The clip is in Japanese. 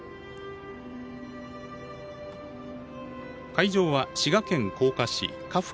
会場は滋賀県甲賀市鹿深